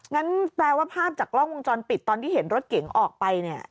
งั้นแปลว่าภาพจากกล้องวงจรปิดตอนที่เห็นรถเก๋งออกไปเนี่ย